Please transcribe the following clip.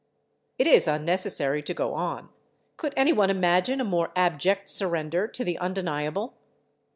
It is unnecessary to go on. Could any one imagine a more abject surrender to the undeniable?